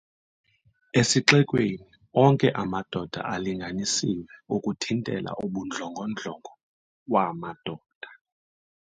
In the community, all males are neutered in order to prevent "male aggression".